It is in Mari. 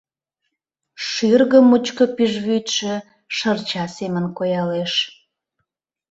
Шӱргӧ мучко пӱжвӱдшӧ шырча семын коялеш.